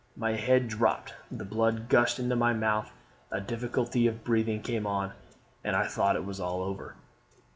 My head dropped, the blood gushed into my mouth, a difficulty of breathing came on, and I thought all was over.